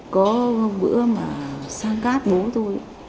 có một bữa mà sang cát bố tôi